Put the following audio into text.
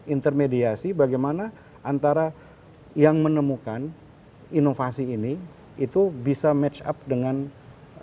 intermediasi bagaimana antara yang menemukan inovasi ini itu bisa match up dengan internet